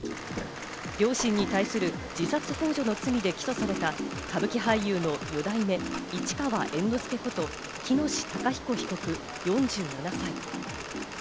両親に対する自殺ほう助の罪で起訴された歌舞伎俳優の四代目・市川猿之助こと、喜熨斗孝彦被告、４７歳。